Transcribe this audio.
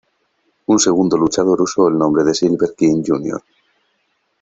Un segundo luchador usó el nombre de Silver King Jr.